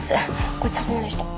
ごちそうさまでした。